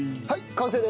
はい！